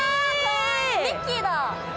ミッキーだ！